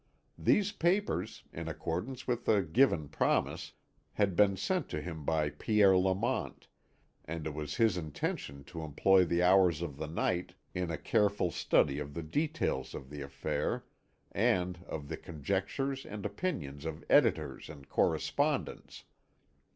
These papers, in accordance with the given promise, had been sent to him by Pierre Lamont, and it was his intention to employ the hours of the night in a careful study of the details of the affair, and of the conjectures and opinions of editors and correspondents.